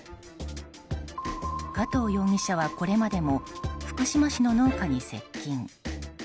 加藤容疑者はこれまでも福島市の農家に接近。